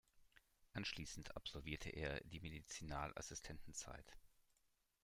Anschließend absolvierte er die Medizinalassistentenzeit.